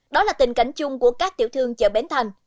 đó là tình cảnh chung của các tiểu thương chợ bến thành